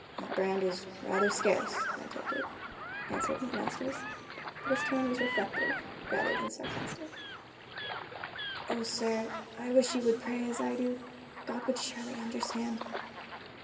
"That brand is rather scarce, I take it," answered McMasters, but his tone was reflective rather than sarcastic. "Oh, sir, I wish you would pray as I do. God would surely understand."